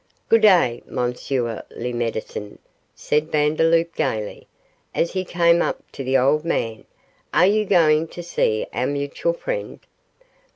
'Good day, Monsieur le Medecin,' said Vandeloup, gaily, as he came up to the old man; 'are you going to see our mutual friend?